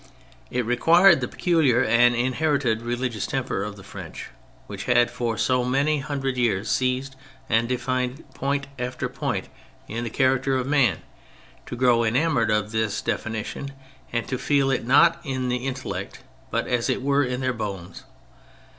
It required the peculiar and inherited religious temper of the French which had for so many hundred years seized and defined point after point in the character of man, to grow en amoured of this definition and to feel it not in the intellect, but as it were in their bones.